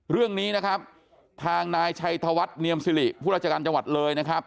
เรื่องนี้นะครับทางนายชัยธวัฒน์เนียมสิริผู้ราชการจังหวัดเลยนะครับ